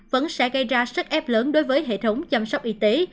vẫn sẽ gây ra sức ép lớn đối với hệ thống chăm sóc y tế